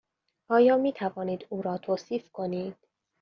آیا می توانید او را توصیف کنید؟